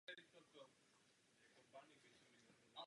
Netýká se konečného vyrovnání.